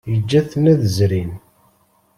Yeǧǧa-ten ad zrin.